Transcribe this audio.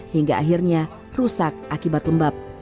hingga akhirnya rusak akibat lembab